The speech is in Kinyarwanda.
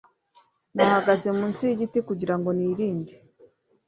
Nahagaze munsi yigiti kugirango nirinde.